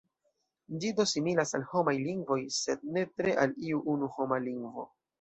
Ĝi do similas al homaj lingvoj, sed ne tre al iu unu homa lingvo.